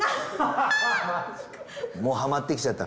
もうハマってきちゃった。